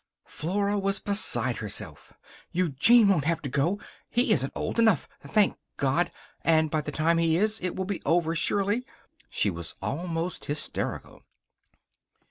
Flora was beside herself. "Eugene won't have to go. He isn't old enough, thank God! And by the time he is it will be over. Surely." She was almost hysterical.